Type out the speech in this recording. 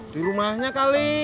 di rumahnya kali